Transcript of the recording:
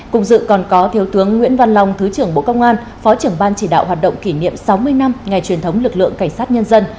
cùng dự còn có thiếu tướng nguyễn văn long thứ trưởng bộ công an phó trưởng ban chỉ đạo hoạt động kỷ niệm sáu mươi năm ngày truyền thống lực lượng cảnh sát nhân dân